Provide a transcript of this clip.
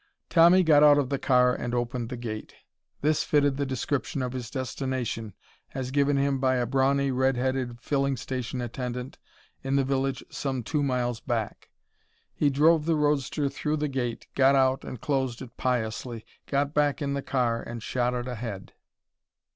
Tommy got out of the car and opened the gate. This fitted the description of his destination, as given him by a brawny, red headed filling station attendant in the village some two miles back. He drove the roadster through the gate, got out and closed it piously, got back in the car and shot it ahead.